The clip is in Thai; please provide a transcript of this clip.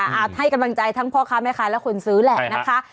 ให้กำลังใจทั้งพ่อค้าแม่ค้าและคนซื้อแหละนะคะ